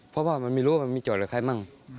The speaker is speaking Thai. เพราะว่ามันไม่รู้ว่ามันมีโจทย์กับใครมั่ง